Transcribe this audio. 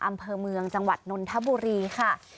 อำเภอเมืองจังหวัดนนทบุรีค่ะ